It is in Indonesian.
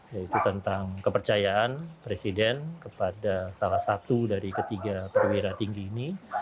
yaitu tentang kepercayaan presiden kepada salah satu dari ketiga perwira tinggi ini